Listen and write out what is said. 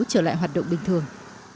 trở lại hoạt động bình thường